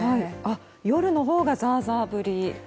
夜のほうがザーザー降り。